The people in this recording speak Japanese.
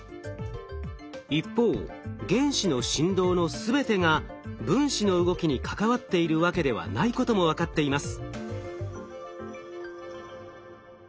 一方原子の振動の全てが分子の動きに関わっているわけではないことも分かっています。